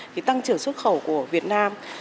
thì tăng trưởng xuất khẩu của việt nam